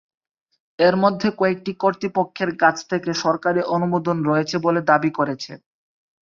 এর মধ্যে কয়েকটি কর্তৃপক্ষের কাছ থেকে সরকারী অনুমোদন রয়েছে বলে দাবি করেছে।